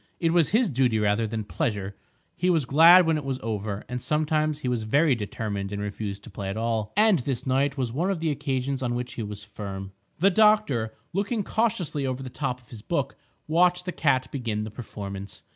It was his duty, rather than pleasure; he was glad when it was over, and sometimes he was very determined and refused to play at all. And this night was one of the occasions on which he was firm. The doctor, looking cautiously over the top of his book, watched the cat begin the performance.